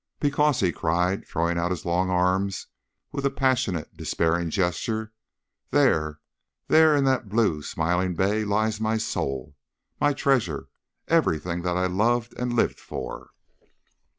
"Because," he cried, throwing out his long arms with a passionate, despairing gesture, "there there in that blue smiling bay, lies my soul, my treasure everything that I loved and lived for."